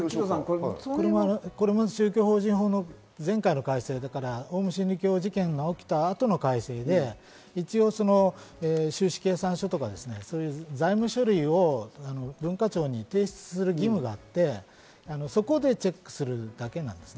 これも宗教法人法の前回の改正だから、オウム真理教事件が起きた後の改正で収支計算書とか、財務書類を文化庁に提出する義務があってそこでチェックするだけなんです。